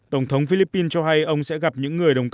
tổng thống philippines cho hay ông sẽ gặp những người đồng cấp